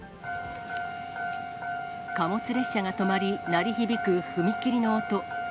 貨物列車が止まり、鳴り響く踏切の音。